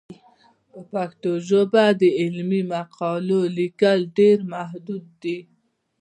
په پښتو ژبه د علمي مقالو لیکل ډېر محدود دي.